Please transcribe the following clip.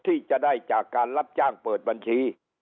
ที่จะได้จากการรับจ้างเปิดบัญชี